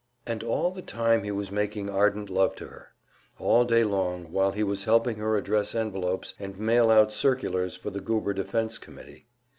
And all the time he was making ardent love to her; all day long, while he was helping her address envelopes and mail out circulars for the Goober Defense Committee.